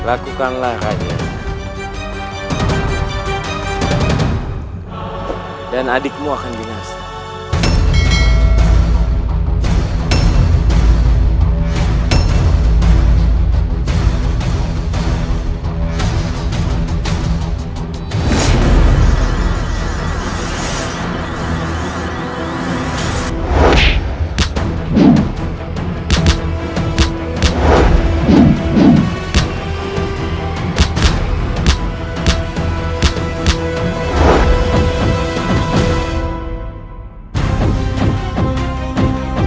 aku ingin aku melepaskan keponakan keluarga dana